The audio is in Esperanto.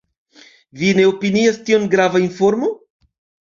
Vi ne opinias tion grava informo?